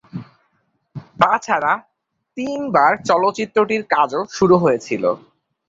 তাছাড়া তিনবার চলচ্চিত্রটির কাজও শুরু হয়েছিল।